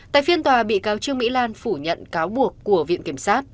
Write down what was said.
tại phiên tòa bị cáo trương mỹ lan phủ nhận cáo buộc của viện kiểm sát